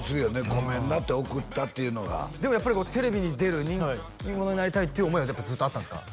ごめんなって送ったっていうのがでもやっぱりテレビに出る人気者になりたいっていう思いはやっぱりずっとあったんですか？